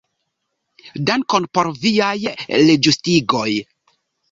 Dankon por viaj reĝustigoj.